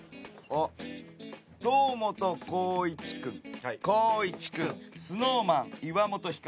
堂本光一君、光一君ＳｎｏｗＭａｎ、岩本照。